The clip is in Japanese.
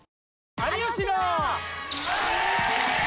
有吉の。